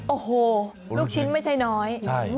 โอ้โหลูกชิ้นไม่ใช่น้อย